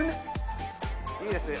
いいですね。